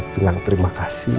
tinggal terima kasih